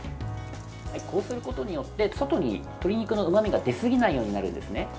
こうすることによって外に鶏肉のうまみが出すぎないようになるんですね。